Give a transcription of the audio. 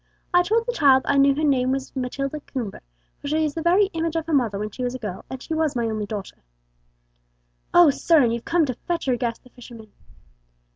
I told the child I knew her name was Matilda Coomber, for she is the very image of her mother when she was a girl, and she was my only daughter." "Oh, sir, and you've come to fetch her!" gasped the fisherman.